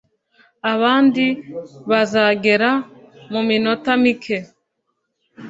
Abandi bazagera muminota mike.